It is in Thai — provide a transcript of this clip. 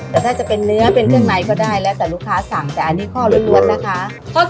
แต่ถ้าจะเป็นเนื้อเป็นเครื่องในก็ได้แล้วแต่ลูกค้าสั่ง